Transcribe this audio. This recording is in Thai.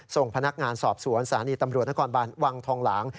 ส่งพนักงานสอบสวนศาลีตำรวจนครบานวังทองหลาง